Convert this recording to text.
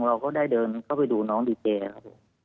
เราก็ได้เดินเข้าไปดูน้องดีเจครับผม